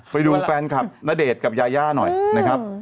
ไปดูแฟนคลับณเดชน์กับยาย่าหน่อยนะครับ